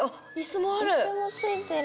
イスもついてる！